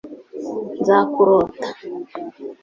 nzakurota